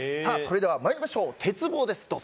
さあそれではまいりましょう「鉄棒」です。